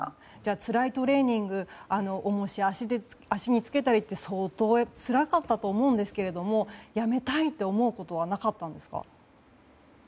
つらいトレーニング重りを足につけたり相当つらかったと思うんですがやめたいって思うことはなかったんですか？